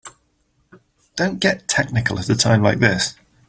Don't get technical at a time like this.